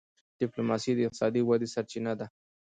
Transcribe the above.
ډيپلوماسي د اقتصادي ودي سرچینه ده.